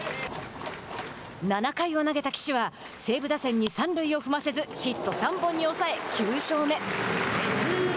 ７回を投げた岸は西武打線に三塁を踏ませずヒット３本に抑え、９勝目。